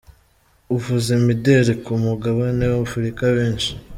uvuze imideri ku mugabane w’Afurika benshi